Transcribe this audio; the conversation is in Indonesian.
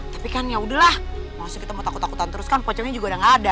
tapi kan yaudahlah maksudnya kita mau takut takutan terus kan pocongnya juga udah gak ada